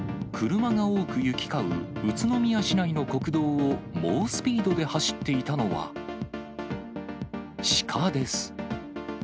車が多く行き交う宇都宮市内の国道を猛スピードで走っていたのは、鹿です。